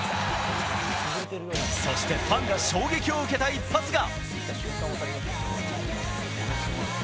そして、ファンが衝撃を受けた一発が。